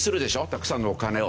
たくさんのお金を。